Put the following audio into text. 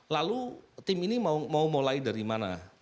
lalu tim ini mau mulai dari mana